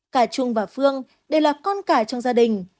cả trung và phương đều là con cải trong gia đình